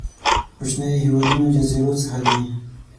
کوچنيو هېوادونو جزيرو څخه دي.